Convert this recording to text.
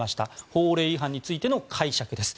法令違反についての解釈です。